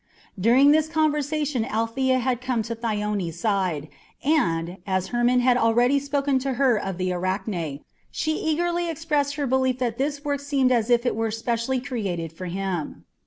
During this conversation Althea had come to Thyone's side, and, as Hermon had already spoken to her of the Arachne, she eagerly expressed her belief that this work seemed as if it were specially created for him.